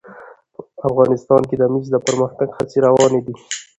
افغانستان کې د مس د پرمختګ هڅې روانې دي.